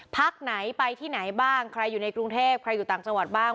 พักไหนไปที่ไหนบ้างใครอยู่ในกรุงเทพใครอยู่ต่างจังหวัดบ้าง